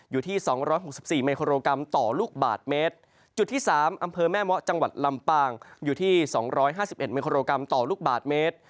อยู่ที่สองร้อยหกสิบสี่มิโครกรัมต่อลูกบาทเมตรจุดที่สามอำเภอแม่เมาะจังหวัดลำปางอยู่ที่๒๕๑มิโครกรัมต่อลูกบาทเมตร